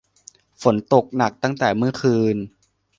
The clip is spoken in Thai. ฝนตกหนักตั้งแต่เมื่อคืน